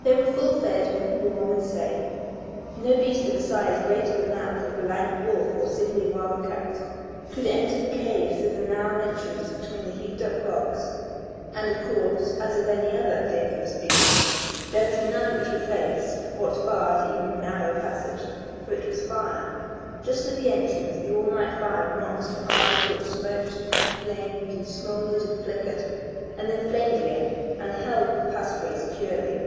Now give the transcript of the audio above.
They were full fed and warm and safe. No beast of a size greater than that of a lank wolf or sinewy wildcat could enter the cave through the narrow entrance between the heaped up rocks, and of these, as of any other dangerous beast, there was none which would face what barred even the narrow passage, for it was fire. Just at the entrance the all night fire of knots and hardest wood smoked, flamed and smoldered and flickered, and then flamed again, and held the passageway securely.